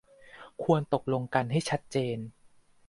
ควรตกลงกันให้ชัดเจน